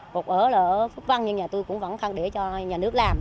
một ở phúc văn nhưng nhà tôi cũng vẫn không để cho nhà nước làm